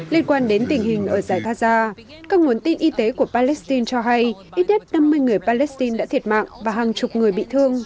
liên quan đến tình hình ở giải gaza các nguồn tin y tế của palestine cho hay ít nhất năm mươi người palestine đã thiệt mạng và hàng chục người bị thương